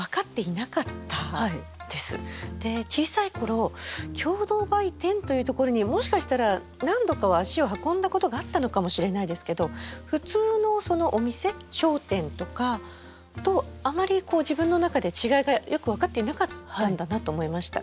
小さい頃共同売店というところにもしかしたら何度かは足を運んだことがあったのかもしれないですけど普通のお店商店とかとあまりこう自分の中で違いがよく分かっていなかったんだなと思いました。